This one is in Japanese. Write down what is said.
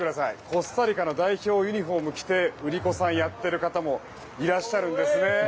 コスタリカの代表ユニホーム着て売り子さんをやっている方もいらっしゃるんですね。